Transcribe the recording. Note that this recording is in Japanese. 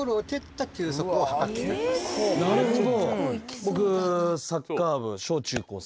なるほど。